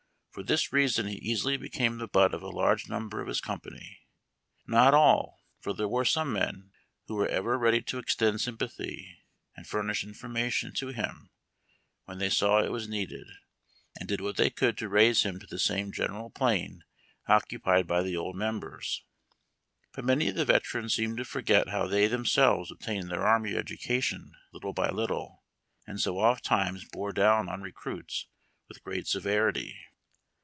For this reason he easily became the butt of a large number of his company — not all, for there were some men who were ever ready to extend sympathy and furnish information to him, when they saw it was needed, and did what they could to raise him to the same general plane occupied by the old members. But many of the veterans seemed to forget how they themselves obtained their army education little by little, and so ofttimes bore down on recruits with great severity.